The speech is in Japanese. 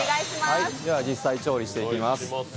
では、実際に調理していきます。